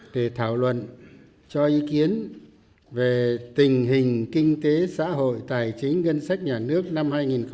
để thảo luận cho ý kiến về tình hình kinh tế xã hội tài chính ngân sách nhà nước năm hai nghìn một mươi tám